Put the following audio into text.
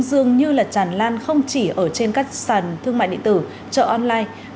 dương như là tràn lan không chỉ ở trên các sàn thương mại địa tử chợ online